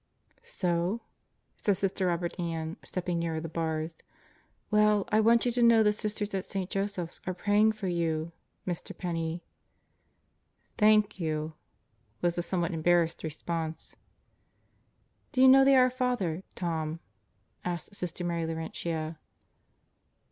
"So?" said Sister Robert Ann, stepping nearer the bars. "Well, I want you to know the Sisters at St. Joseph's are praying for you, Mr. Penney." "Thank you," was the somewhat embarrassed response. "Do you know the 'Our Father,' Tom?" asked Sister Mary Laurentia.